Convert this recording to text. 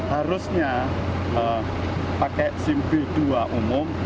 harusnya pakai sim b dua umum